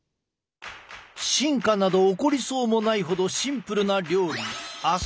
進化など起こりそうもないほどシンプルな料理